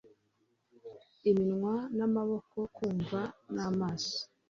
Iminwa n'amaboko kumva n'amaso